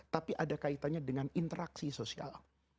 tapi ada kaitannya dengan interaksi sosial